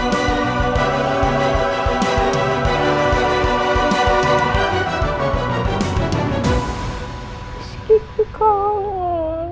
masukin ke kamar